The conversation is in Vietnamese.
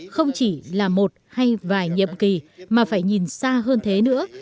không chỉ là một hay vài nhiệm kỳ mà phải nhìn xa hơn thế nữa